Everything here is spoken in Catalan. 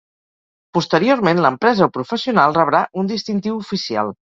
Posteriorment, l'empresa o professional rebrà un distintiu oficial.